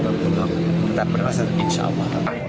tetap berlanjut insya allah